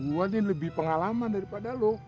gue nih lebih pengalaman daripada lu